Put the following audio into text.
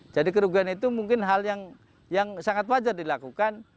jadi kerugian itu mungkin hal yang sangat wajar dilakukan